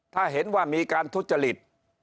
ถ้าเห็นว่ามีการทุจริต